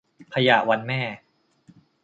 ขยะวันแม่